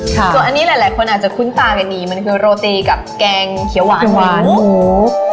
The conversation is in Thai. ส่วนอันนี้หลายคนอาจจะคุ้นตากันดีมันคือโรตีกับแกงเขียวหวานหมู